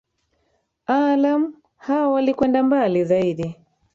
aalam hao walikwenda mbali zaidi